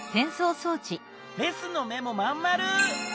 レスの目もまんまる。